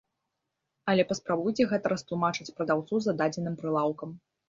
Але паспрабуйце гэта растлумачыць прадаўцу за дадзеным прылаўкам.